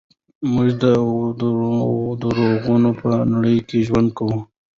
موږ د دروغو په نړۍ کې ژوند کوو.